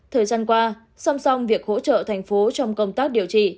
thời gian qua song song việc hỗ trợ thành phố trong công tác